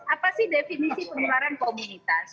apa sih definisi penularan komunitas